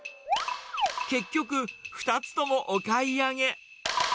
結局、２つともお買い上げ。